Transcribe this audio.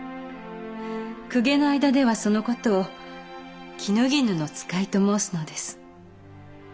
公家の間ではその事を「後朝の使い」と申すのです。